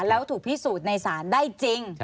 แล้วถูกพิสูจน์ในศาลได้จริง